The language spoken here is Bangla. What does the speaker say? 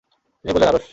তিনি বললেন, আরশ।